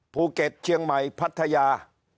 ภูเก็ตเชียงใหม่พัทยา